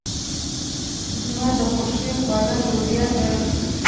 زما د خوښې خواړه لوبيا ده.